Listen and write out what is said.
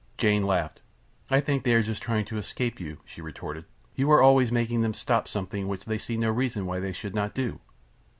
Jane laughed. "I think they are just trying to escape you," she retorted. "You are always making them stop something which they see no reason why they should not do.